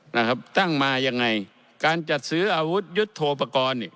นะครับตั้งมายังไงการจัดซื้ออาวุธยุทธโทปกรณ์เนี่ย